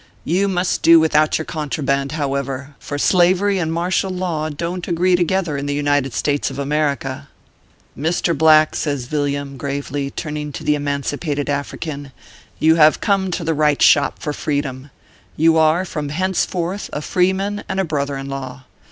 You must do without your contra band, however ; for slavery and martial law don t agree together in the United States of America." " Mr. Black," says Yilliam, gravely, turning to the emancipated African, " you have come to the right shop for freedom. You are from henceforth a freeman and a brother in law.